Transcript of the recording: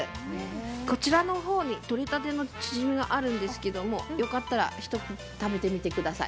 こちらの方に、とれたてのちぢみがあるんですが、よかったら一口食べてみてください。